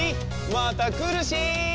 またくるし！